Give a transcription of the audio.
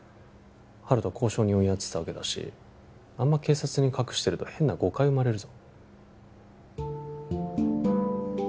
温人は交渉人をやってたわけだしあんま警察に隠してると変な誤解生まれるぞ